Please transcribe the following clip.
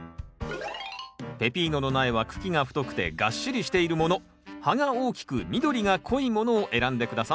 ペピーノの苗は茎が太くてがっしりしているもの葉が大きく緑が濃いものを選んで下さい。